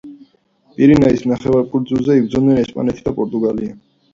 პირენეს ნახევარკუნძულზე იბრძოდნენ ესპანეთი და პორტუგალია.